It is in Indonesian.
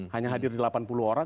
hanya hadir delapan puluh orang